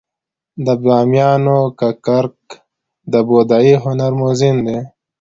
د بامیانو ککرک د بودايي هنر موزیم دی